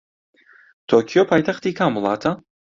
تۆکیۆ پایتەختی کام وڵاتە؟